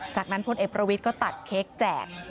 จากนั้นพลเอกประวิทย์ก็ตัดเค้กแจก